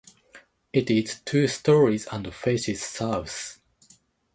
It is two stories and faces south.